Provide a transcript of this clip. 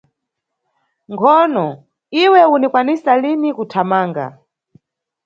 Nkhono, iwe unikwanisa lini kuthamanga.